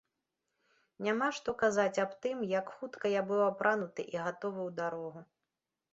Няма што казаць аб тым, як хутка я быў апрануты і гатовы ў дарогу.